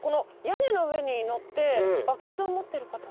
屋根の上に乗ってバケツを持ってる方は何ですか？